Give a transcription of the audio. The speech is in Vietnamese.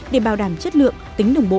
để bảo đảm chất lượng tính đồng bộ